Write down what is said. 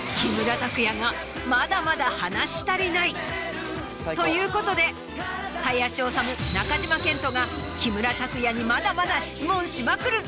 まだまだ。ということで林修中島健人が木村拓哉にまだまだ質問しまくるぞ！